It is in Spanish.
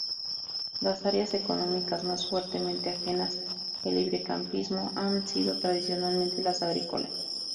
Las áreas económicas más fuertemente ajenas al librecambismo han sido tradicionalmente las agrícolas.